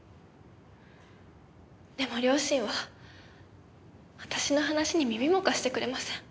でも両親は私の話に耳も貸してくれません。